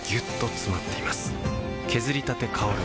削りたて香る